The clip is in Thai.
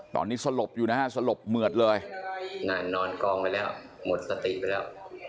ตอนนี้สลบอยู่นะฮะสลบเหมือดเลยนั่นนอนกองไปแล้วหมดสติไปแล้ว